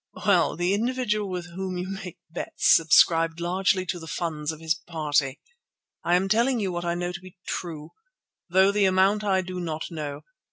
"Well, the individual with whom you make bets subscribed largely to the funds of his party. I am telling you what I know to be true, though the amount I do not know.